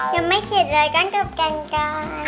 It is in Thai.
ยังไม่เช็ดเลยขอขอบคุณค่ะ